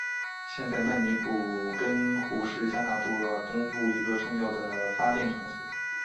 现在曼尼古根湖是加拿大东部一个重要的发电场所。